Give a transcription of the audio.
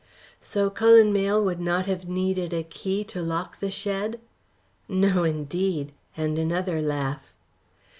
"So Cullen Mayle would not have needed a key to lock the shed?" "No, indeed!" and another laugh.